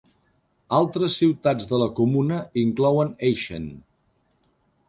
Altres ciutats de la comuna inclouen Eischen.